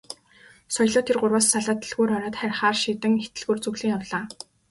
Соёлоо тэр гурваас салаад дэлгүүр ороод харихаар шийдэн их дэлгүүр зүглэн явлаа.